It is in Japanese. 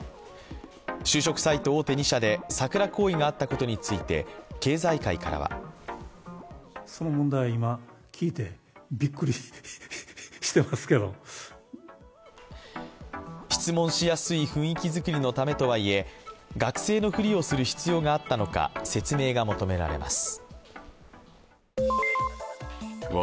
就職サイト大手２社でサクラ行為があったことについて経済界からは質問しやすい雰囲気作りのためとはいえ学生のふりをする必要があったのか説明が求められます。